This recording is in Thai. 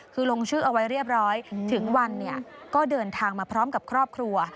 คือลงชื่อเอาไว้เรียบร้อยถึงวันเนี่ยก็เดินทางมาพร้อมกับครอบครัว